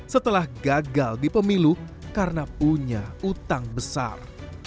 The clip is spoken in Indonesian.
setelah gagal di pemilu karena punya utang besar